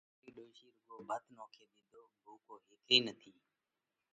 ٿارِي ڏوشِي رُوڳو ڀت نوکي ۮِيڌوه۔ ڀُوڪو هيڪ ئي نٿِي۔”